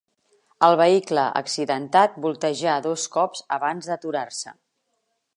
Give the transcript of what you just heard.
El vehicle accidentat voltejà dos cops abans d'aturar-se.